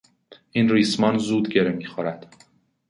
این ریسمان زود گره میخورد.